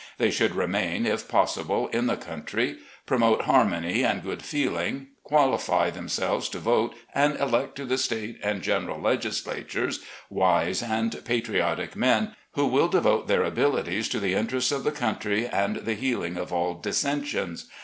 They should remain, if possible, in the country; promote harmony and good feeling, qualify themselves to vote and elect to the State and general legislatures wise and patriotic men, who will devote their abilities to the interests of the cotmtry and the healing of all dissensions.